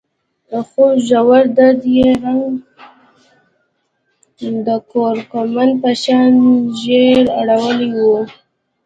خو ژور درد يې رنګ د کورکمند په شان ژېړ اړولی و.